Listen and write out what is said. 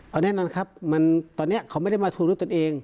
เอาแน่นอนครับตอนนี้เขาไม่ได้มาทวงด้วยตนเอง